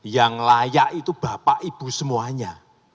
yang layak itu bapak ibu semuanya